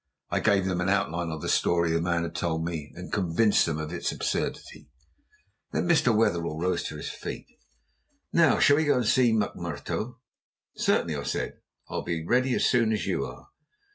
I gave them an outline of the story the man had told me and convinced them of its absurdity. Then Mr. Wetherell rose to his feet. "Now shall we go and see McMurtough?" "Certainly," I said; "I'll be ready as soon as you are."